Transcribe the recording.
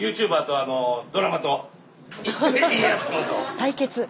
対決。